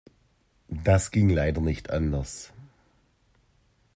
Das ging leider nicht anders.